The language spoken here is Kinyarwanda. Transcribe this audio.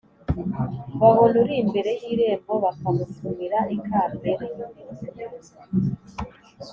babona uri imbere y’irembo bakamutumira ikambere